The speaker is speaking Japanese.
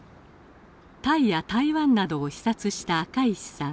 タイや台湾などを視察した赤石さん。